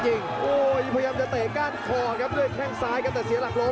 พยายามจะเตะก้านคอครับด้วยแข้งซ้ายครับแต่เสียหลักล้ม